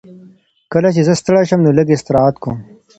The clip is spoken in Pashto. کله چې زه ستړی شم نو لږ استراحت کوم.